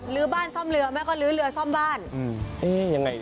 ลื้อบ้านซ่อมเหลือแม่ก็ลื้อเหลือซ่อมบ้าน